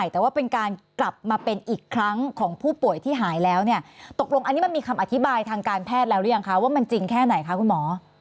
ตกลงอันนี้มันมีคำอธิบายทางการแพทย์แล้วหรือยังคะว่ามันจริงแค่ไหนคะคุณหมอ